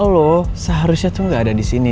lo seharusnya tuh gak ada disini